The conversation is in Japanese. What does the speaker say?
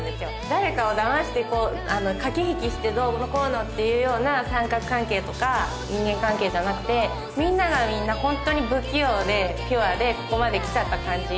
誰かをだまして駆け引きしてどうのこうのっていうような三角関係とか人間関係じゃなくてみんながみんな本当に不器用でピュアでここまできちゃった感じ